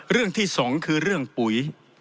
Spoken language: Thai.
เรื่องที่สองคือเรื่องปุ๋ย